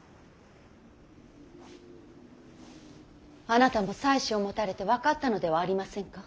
あなたも妻子を持たれて分かったのではありませんか。